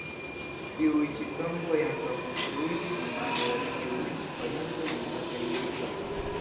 Tiuj ĉi tomboj ankaŭ konstruiĝis omaĝe al tiuj ĉi falintoj en postaj militoj.